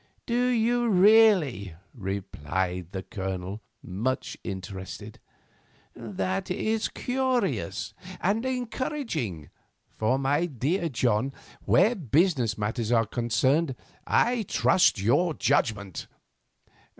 "Do you really?" replied the Colonel, much interested. "That is curious—and encouraging; for, my dear John, where business matters are concerned, I trust your judgment."